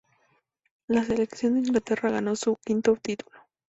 La selección de Inglaterra ganó su quinto título.